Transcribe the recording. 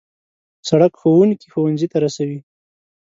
سړک ښوونکي ښوونځي ته رسوي.